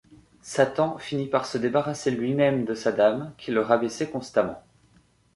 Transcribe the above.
Satan finit par se débarrasser lui-même de Saddam, qui le rabaissait constamment.